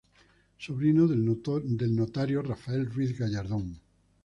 Sobrino del notario Rafael Ruiz Gallardón.